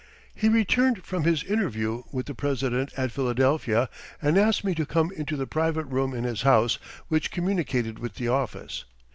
He returned from his interview with the president at Philadelphia and asked me to come into the private room in his house which communicated with the office.